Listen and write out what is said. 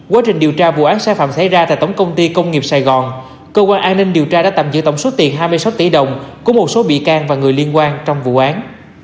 quá trình điều tra vụ án sai phạm xảy ra tại tổng công ty công nghiệp sài gòn cơ quan an ninh điều tra đã tạm giữ tổng số tiền hai mươi sáu tỷ đồng của một số bị can và người liên quan trong vụ án